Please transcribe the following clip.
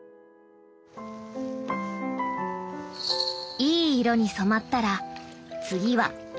いい色に染まったら次は媒染。